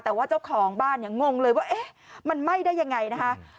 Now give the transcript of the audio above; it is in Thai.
แต่ว่าเจ้าของบ้านเนี่ยงงเลยว่าเอ๊ะมันไหม้ได้ยังไงนะคะ